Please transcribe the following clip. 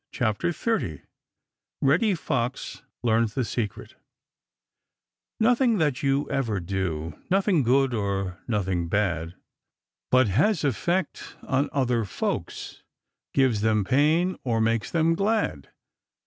CHAPTER XXX REDDY FOX LEARNS THE SECRET Nothing that you ever do, Nothing good or nothing bad, But has effect on other folks Gives them pain or makes them glad.